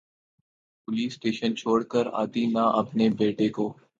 police station چھوڑ کر آتی نا اپنے بیٹے کو